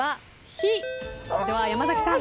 それでは山崎さん。